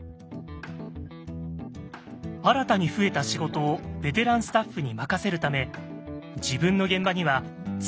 新たに増えた仕事をベテランスタッフに任せるため自分の現場には常に新人がつくことに。